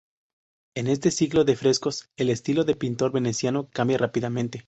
En este ciclo de frescos el estilo del pintor veneciano cambia rápidamente.